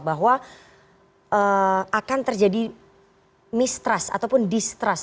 bahwa akan terjadi mistrust ataupun distrust